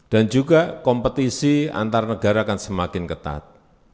dan juga kompetisi antar negara akan semakin ketat